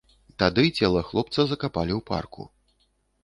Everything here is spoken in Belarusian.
Тады цела хлопца закапалі ў парку.